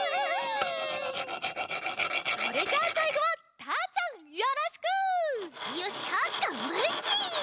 それじゃあさいごはたーちゃんよろしく！よっしゃがんばるち！